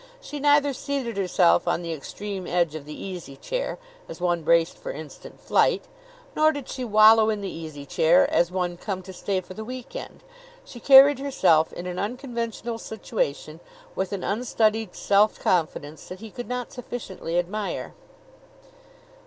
She neither seated herself on the extreme edge of the easy chair, as one braced for instant flight; nor did she wallow in the easy chair, as one come to stay for the week end. She carried herself in an unconventional situation with an unstudied self confidence that he could not sufficiently admire.